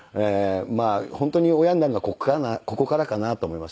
まあ本当に親になるのはここからかなと思いますね。